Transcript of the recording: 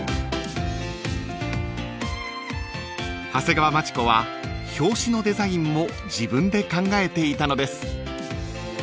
［長谷川町子は表紙のデザインも自分で考えていたのです］